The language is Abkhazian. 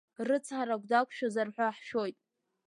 Рыцҳарак дақәшәазар ҳәа ҳшәоит.